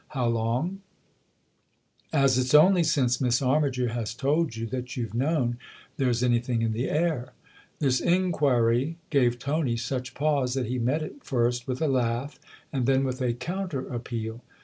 " How long ?" "As it's only since Miss Armiger has told you that you've known there's anything in the air." This inquiry gave Tony such pause that he met it first with a laugh and then with a counter appeal.